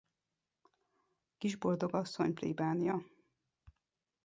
Kisboldogasszony Plébánia.